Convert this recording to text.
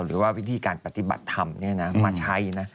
หรือว่าวิธีการปฏิบัติธรรมมาใช้นะ